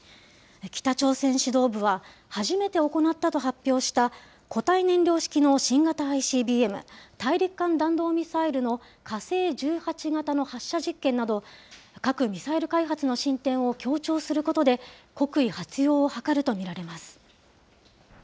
北朝鮮指導部は、初めて行ったと発表した固体燃料式の新型ＩＣＢＭ・大陸間弾道ミサイルの火星１８型の発射実験など、核・ミサイル開発の進展を強調することで、国威発揚を図ると見られます。